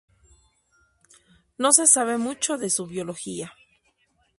No se sabe mucho de su biología.